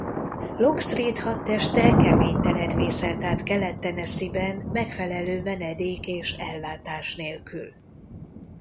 Longstreet hadteste kemény telet vészelt át Kelet-Tennessee-ben megfelelő menedék és ellátás nélkül.